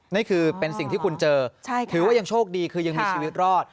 นี่คือเป็นสิ่งที่คุณเจอถือว่ายังโชคดีคือยังมีชีวิตรอด